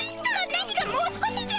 何が「もう少し」じゃ！